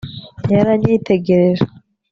yaranyitegereje